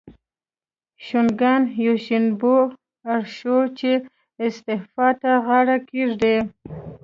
شوګان یوشینوبو اړ شو چې استعفا ته غاړه کېږدي.